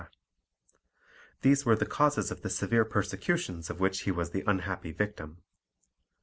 These were the causes of the severe persecutions of which he was the unhappy victim.